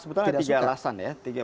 sebetulnya ada tiga alasan ya